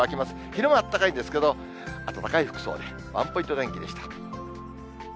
昼間あったかいんですけど、暖かい服装で、ワンポイント天気でした。